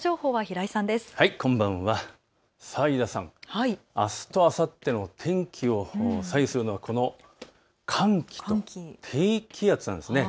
井田さん、あすとあさっての天気を左右するのはこの寒気と低気圧なんです。